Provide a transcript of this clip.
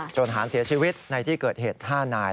หารเสียชีวิตในที่เกิดเหตุ๕นาย